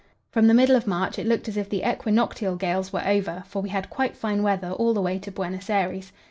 From the middle of March it looked as if the equinoctial gales were over, for we had quite fine weather all the way to Buenos Aires.